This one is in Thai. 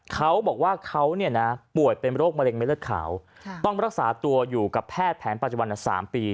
เขาบอกว่าเขาเนี่ยนะป่วยเป็นโรคมะเร็งไม่เลือดขาวต้องรักษาตัวอยู่กับแพทย์แผนปัจจุบัน๓ปี